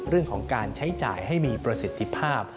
เรื่องของการใช้จ่ายให้มีประสิทธิภาพ